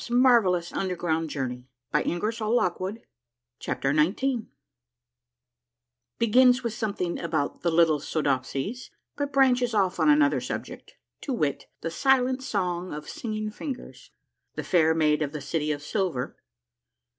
A MARVELLOUS UNDERGROUND JOURNEY 123 CHAPTER XTX BEGINS WITH SOMETHING ABOUT THE LITTLE SOODOPSIES, BUT BRANCHES OFF ON ANOTHER SUBJECT; TO WIT; — THE SILENT SONG OF SINGING FINGERS, THE FAIR MAID OF THE CITY OF SILVER.